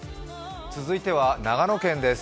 続いては長野県です。